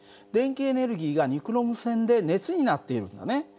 電気エネルギーがニクロム線で熱になっているんだね。